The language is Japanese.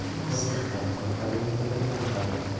７回目の考慮時間に入りました。